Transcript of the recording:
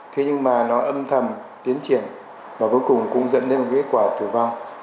thế nhưng mà nó âm thầm tiến triển và vô cùng cũng dẫn đến một kết quả tử vong